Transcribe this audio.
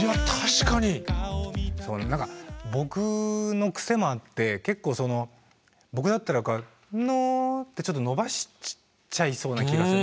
何か僕の癖もあって結構その僕だったら「の」ってちょっと伸ばしちゃいそうな気がする。